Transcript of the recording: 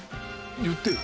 言ってよ。